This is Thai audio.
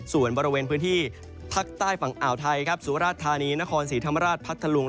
ส่วนบริเวณพื้นที่ภาคใต้ฝั่งอ่าวไทยสุราชธานีนครศรีธรรมราชพัทธลุง